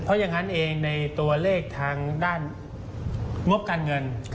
เพราะอย่างนั้นเองในตัวเลขทางด้านงบการเงิน